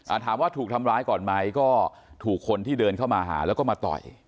ถามว่าถูกทำร้ายก่อนไหมก็ถูกคนที่เดินเข้ามาหาแล้วก็มาต่อย